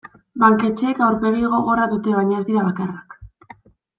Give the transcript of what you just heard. Banketxeek aurpegi gogorra dute baina ez dira bakarrak.